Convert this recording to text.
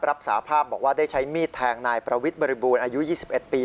รับสาภาพบอกว่าได้ใช้มีดแทงนายประวิทย์บริบูรณ์อายุ๒๑ปี